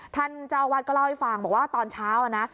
ท่านเจ้าวัดก็เล่าให้ฟังบอกว่าตอนเช้านะ